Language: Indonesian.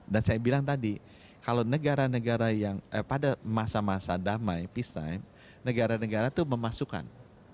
dan saya bilang tadi kalau negara negara yang pada masa masa damai peacetime negara negara itu memasukkan